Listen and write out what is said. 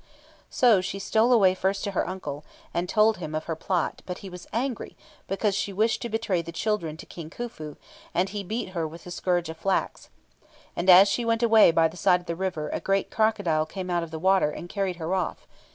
So she stole away first to her uncle, and told him of her plot; but he was angry because she wished to betray the children to King Khufu, and he beat her with a scourge of flax. And as she went away by the side of the river a great crocodile came out of the water, and carried her off....